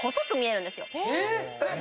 えっ⁉